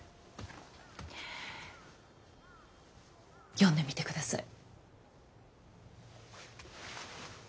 読んでみて下さい。